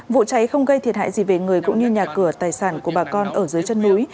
vụ cháy không gây thiệt hại gì về người cũng như nhà cửa tài sản của bà con ở dưới chân núi